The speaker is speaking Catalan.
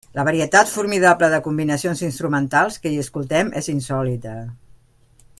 La varietat formidable de combinacions instrumentals que hi escoltem és insòlita.